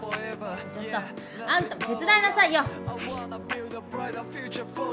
ちょっとあんたも手伝いなさいよ。早く！